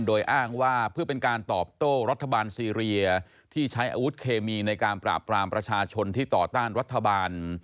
โดยอ้างว่าเพื่อเป็นการตอบโต้รัฐบาลซีเรียที่ใช้อาวุธเคมีในการปราบปรามประชาชนที่ต่อต้านรัฐบาล